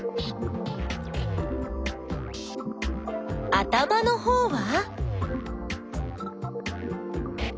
頭のほうは？